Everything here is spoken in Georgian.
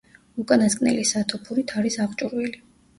უკანასკნელი სათოფურით არის აღჭურვილი.